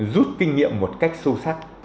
rút kinh nghiệm một cách sâu sắc